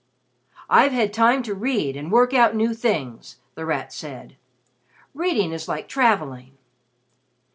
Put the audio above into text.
"I've had time to read and work out new things," The Rat said. "Reading is like traveling."